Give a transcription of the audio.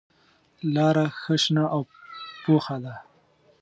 لاره ښه شنه او پوخه ده.